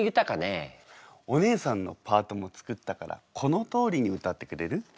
お姉さんのパートも作ったからこのとおりに歌ってくれる？